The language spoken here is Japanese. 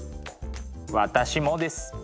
私もです。